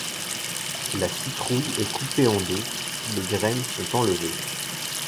La citrouille est coupée en deux, puis les graines sont enlevées.